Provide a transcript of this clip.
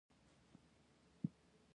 د باران څاڅکي پر ماريا ولګېدل.